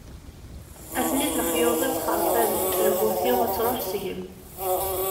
A-ten-in lexyuḍ-iw xeṛben, lmut-iw ad truḥ seg-m.